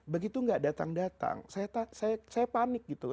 begitu nggak datang datang saya panik gitu loh